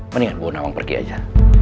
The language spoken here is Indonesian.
mendingan gue nawang pergi aja